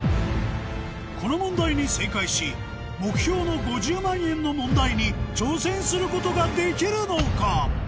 この問題に正解し目標の５０万円の問題に挑戦することができるのか？